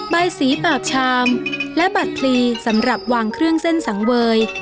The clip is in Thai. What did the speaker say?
ใบสีปาบชามและบัตรพลีสำหรับวางเครื่องเส้นสังเวย